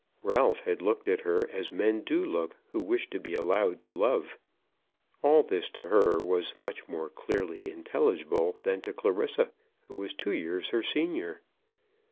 Ralph had looked at her as men do look who wish to be allowed to love. All this to her was much more clearly intelligible than to Clarissa, who was two years her senior.